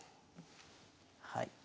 はい。